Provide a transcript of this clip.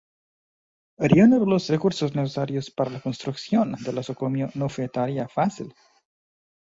Reunir los recursos necesarios para la construcción del nosocomio no fue tarea fácil.